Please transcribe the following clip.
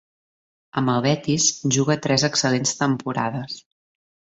Amb el Betis juga tres excel·lents temporades.